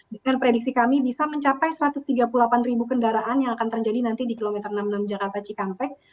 dengan prediksi kami bisa mencapai satu ratus tiga puluh delapan ribu kendaraan yang akan terjadi nanti di kilometer enam puluh enam jakarta cikampek